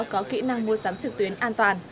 có kỹ năng mua sắm trực tuyến an toàn